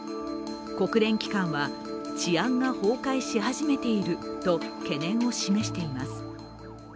国連機関は、治安が崩壊し始めていると懸念を示しています。